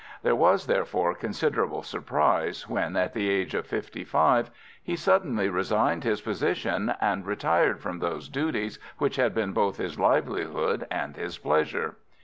There was, therefore, considerable surprise when, at the age of fifty five, he suddenly resigned his position and retired from those duties which had been both his livelihood and his pleasure.